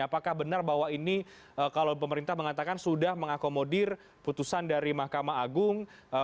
apakah benar bahwa ini kalau pemerintah mengatakan sudah mengakomodir putusan dari mahkamah agung